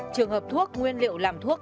trường hợp thuốc nguyên liệu làm thuốc